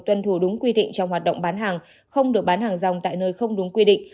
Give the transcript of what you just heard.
tuân thủ đúng quy định trong hoạt động bán hàng không được bán hàng rong tại nơi không đúng quy định